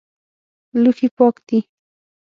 لوښي پاک دي؟